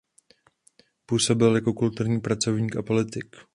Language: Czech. Působil jako kulturní pracovník a politik.